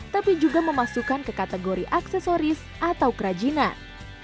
tapi juga memasukkan ke kategori aksesoris atau kerajinan